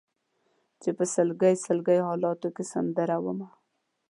چې په سلګۍ سلګۍ حالاتو کې سندره ومه